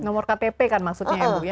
nomor ktp kan maksudnya ya bu ya